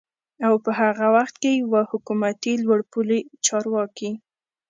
او په هغه وخت کې يوه حکومتي لوړپوړي چارواکي